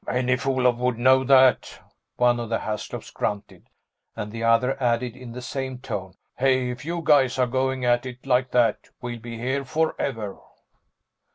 "Any fool would know that," one of the Haslops grunted. And the other added in the same tone: "Hey, if you guys are going at it like that, we'll be here forever!"